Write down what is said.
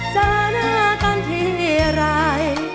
เจอหน้ากันทีไร